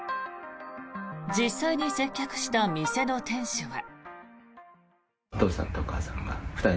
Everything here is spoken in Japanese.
実際に接客した店の店主は。